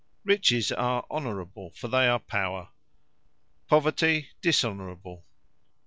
Riches, are Honourable; for they are Power. Poverty, Dishonourable.